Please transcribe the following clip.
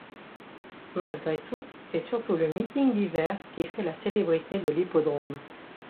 Malgré tout, c'est surtout le meeting d'hiver qui fait la célébrité de l'hippodrome.